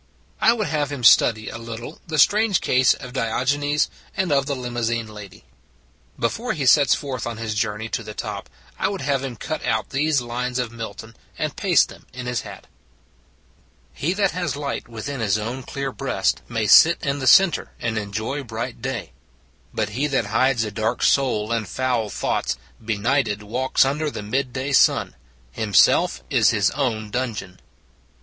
I would have him study a little the A Limousine and a Tub 205 strange case of Diogenes, and of the limousine lady. Before he sets forth on his journey to the top, I would have him cut out these lines of Milton and paste them in his hat: He that has light within his own clear breast May sit in the center, and enjoy bright day; But he that hides a dark soul and foul thoughts Be nighted wa^ks under the mid day Sun ; Himself is his o\n dungeon.